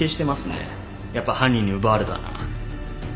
やっぱ犯人に奪われたな。